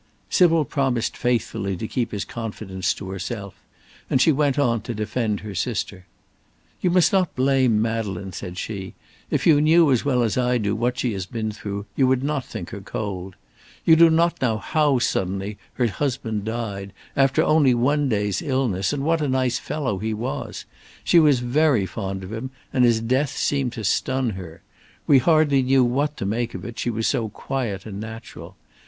Sybil promised faithfully to keep his confidence to herself, and she went on to defend her sister. "You must not blame Madeleine," said she; "if you knew as well as I do what she has been through, you would not think her cold. You do know how suddenly her husband died, after only one day's illness, and what a nice fellow he was. She was very fond of him, and his death seemed to stun her. We hardly knew what to make of it, she was so quiet and natural.